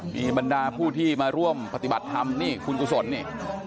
มีบรรดาผู้ที่มาร่วมปฏิบัติธรรมนี่คุณกุศลนี่